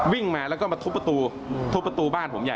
วิ่งมาแล้วก็ทบประตู